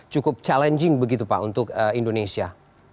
cukup challenging begitu pak untuk indonesia